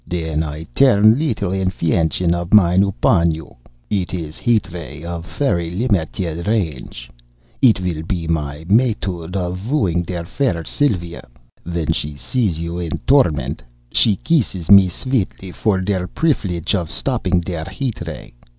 Then I turn a little infention of mine upon you. It is a heat ray of fery limited range. It will be my method of wooing der fair Sylva. When she sees you in torment, she kisses me sweetly for der prifilege of stopping der heat ray.